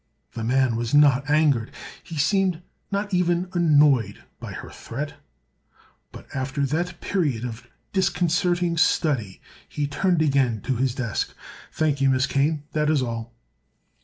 The man was not angered. He seemed not even annoyed by her threat. But after that period of disconcerting study he turned again to his desk. "Thank you, Miss Kane. That is all."